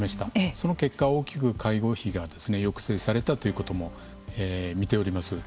その結果、大きく介護費が抑制されたということも見ております。